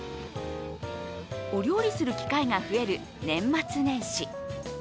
お料理する機会が増える年末年始。